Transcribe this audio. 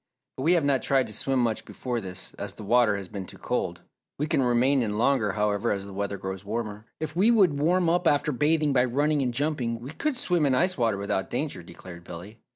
But we have not tried to swim much before this, as the water has been too cold. We can remain in longer, however, as the weather grows warmer." "If we would warm up after bathing by running and jumping we could swim in ice water without danger," declared Billy.